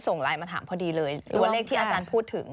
ส่งไลน์มาถามพอดีเลยตัวเลขที่อาจารย์พูดถึง